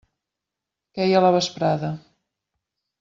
Queia la vesprada.